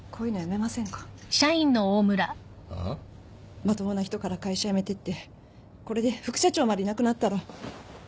まともな人から会社辞めてってこれで副社長までいなくなったら。